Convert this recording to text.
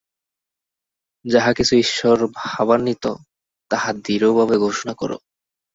যাহা কিছু ঈশ্বরভাবান্বিত, তাহা দৃঢ়ভাবে ঘোষণা কর।